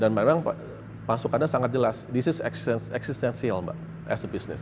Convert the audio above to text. dan memang masukannya sangat jelas this is existential mbak as a business